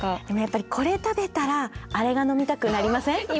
でもやっぱりこれ食べたらあれが飲みたくなりません？